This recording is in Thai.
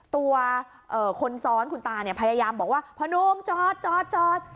ตัวคนซ้อนคุณตาพยายามบอกว่าพะนุงจอดจอดจอด